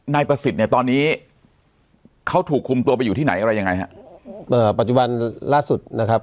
นายประสิทธิ์เนี่ยตอนนี้เขาถูกคุมตัวไปอยู่ที่ไหนอะไรยังไงฮะเอ่อปัจจุบันล่าสุดนะครับ